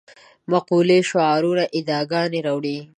مقولې شعارونه ادعاګانې راوړې.